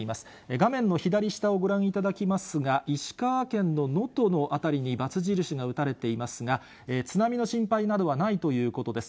画面の左下をご覧いただきますが、石川県の能登の辺りにばつ印が打たれていますが、津波の心配などはないということです。